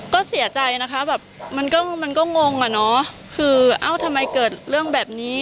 ก็เสียใจนะครับมันก็งงอะเนาะคือทำไมเกิดเรื่องแบบนี้